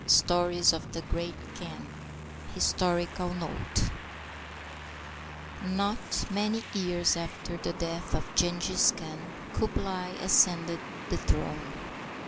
VI STORIES OF THE GREAT KHAN HISTORICAL NOTE Not many years after the death of Jenghiz Khan, Kublai ascended the throne.